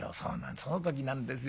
その時なんですよ。